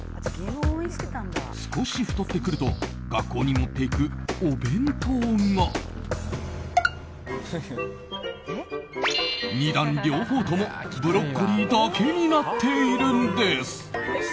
少し太ってくると学校に持っていくお弁当が２段両方ともブロッコリーだけになっているんです。